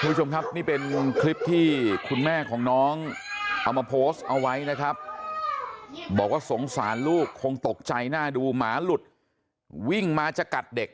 คุณผู้ชมครับนี่เป็นคลิปที่คุณแม่ของน้องเอามาโพสต์เอาไว้นะครับบอกว่าสงสารลูกคงตกใจหน้าดูหมาหลุดวิ่งมาจะกัดเด็ก